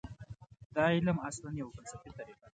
دا علم اصلاً یوه فلسفي طریقه ده.